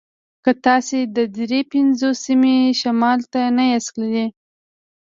که تاسې د دري پنځوسمې شمال ته نه یاست تللي